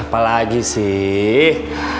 apa lagi sih